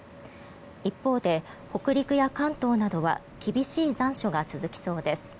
一方で北陸や関東などは厳しい残暑が続きそうです。